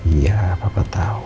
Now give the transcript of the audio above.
iya papa tahu